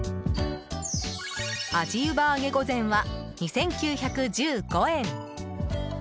あじ湯葉揚御膳は、２９１５円。